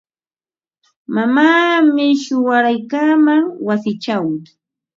Mamaami shuwaraykaaman wasichaw.